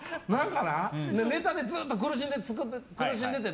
ネタでずっと苦しんでて